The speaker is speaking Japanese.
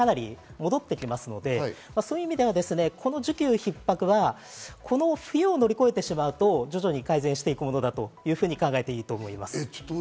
今年の後半から運転開始予定で、来年になるとかなり戻ってきますので、そういう意味ではこの需給ひっ迫はこの冬を乗り越えてしまえば、徐々に改善していくものだと考えていいと思います。